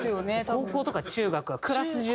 高校とか中学はクラス中ＡＫＢ。